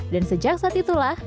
dan sejak saat itulah